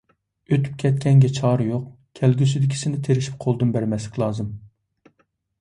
ئۆتۈپ كەتكەنگە چارە يوق، كەلگۈسىدىكىنى تىرىشىپ قولدىن بەرمەسلىك لازىم.